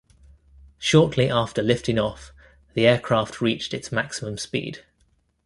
Shortly after lifting off, the aircraft reached its maximum speed.